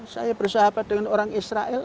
saya bersahabat dengan orang israel